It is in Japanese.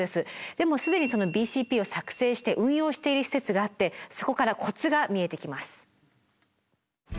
でも既にそのＢＣＰを作成して運用している施設があってそこからコツが見えてきます。